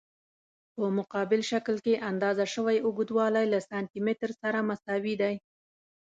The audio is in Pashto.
په مقابل شکل کې اندازه شوی اوږدوالی له سانتي مترو سره مساوي دی.